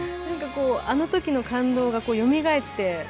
あのときの感動がよみがえって。